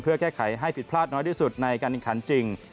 เพื่อแก้ไขให้ผิดพลาดน้อยที่สุดในการแข่งขันจริง